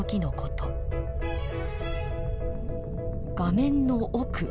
画面の奥。